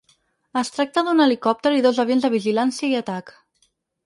Es tracta d’un helicòpter i dos avions de vigilància i atac.